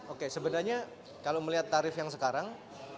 oke sebenarnya kalau melihat tarif yang sekarang